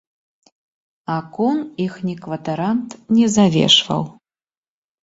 Акон іхні кватарант не завешваў.